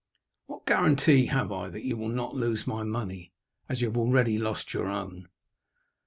"What guarantee have I that you will not lose my money, as you already have lost your own?"